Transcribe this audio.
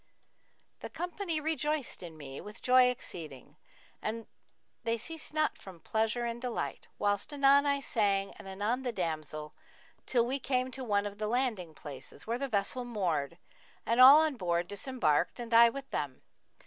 The company rejoiced in me with joy exceeding and the ceased not from pleasure and delight, whilst anon I sang and anon the damsel, till we came to one of the landing places, where the vessel moored and all on board disembarked and I with them.